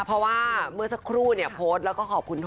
เพราะว่าเมื่อสักครู่โพสต์แล้วก็ขอบคุณ